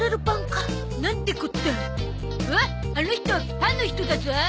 おっあの人「パン」の人だゾ。